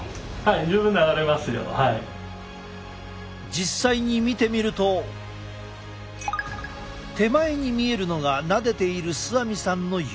実際に見てみると手前に見えるのがなでている須網さんの指。